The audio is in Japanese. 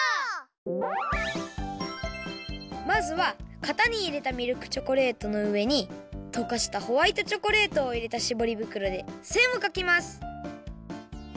まずはかたにいれたミルクチョコレートのうえにとかしたホワイトチョコレートをいれたしぼり袋でせんをかきます。